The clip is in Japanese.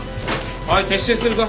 おい撤収するぞ。